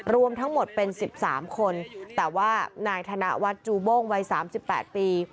รวมทั้งหมดเป็น๑๓คนแต่ว่านายธนวัฒน์จูโบ้งวัย๓๘ปี